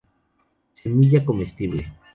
Semilla comestible.